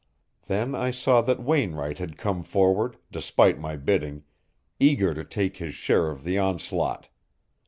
Then I saw that Wainwright had come forward, despite my bidding, eager to take his share of the onslaught.